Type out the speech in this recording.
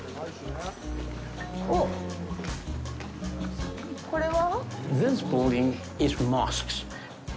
おっ、これは？